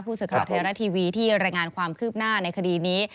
สื่อข่าวไทยรัฐทีวีที่รายงานความคืบหน้าในคดีนี้